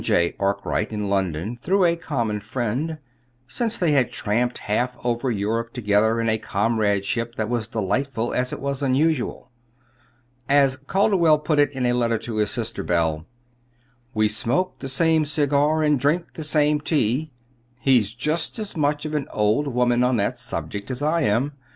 J. Arkwright in London through a common friend; since then they had tramped half over Europe together in a comradeship that was as delightful as it was unusual. As Calderwell put it in a letter to his sister, Belle: "We smoke the same cigar and drink the same tea (he's just as much of an old woman on that subject as I am!)